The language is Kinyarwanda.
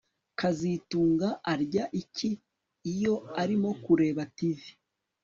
kazitunga arya iki iyo arimo kureba TV